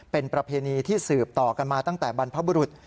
เป็นประเพณีที่สืบต่อกันมาตั้งแต่บรรพบุรุษ